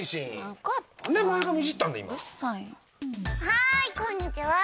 はいこんにちは。